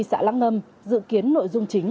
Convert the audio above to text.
xã lã ngâm dự kiến nội dung chính